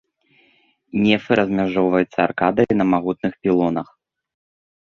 Нефы размяжоўваюцца аркадай на магутных пілонах.